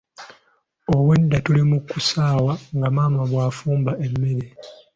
Obwedda tuli mu kusaawa nga maama bw'afumba emmere.